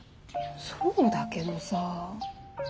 そうだけどさ。